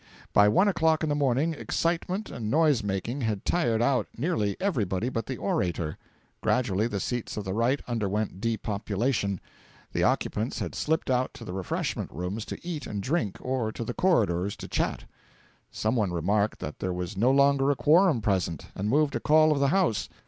By one o'clock in the morning, excitement and noise making had tired out nearly everybody but the orator. Gradually the seats of the Right underwent depopulation; the occupants had slipped out to the refreshment rooms to eat and drink, or to the corridors to chat. Some one remarked that there was no longer a quorum present, and moved a call of the House.